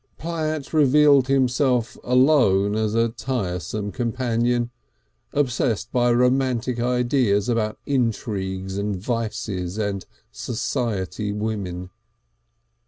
Platt revealed himself alone as a tiresome companion, obsessed by romantic ideas about intrigues and vices and "society women."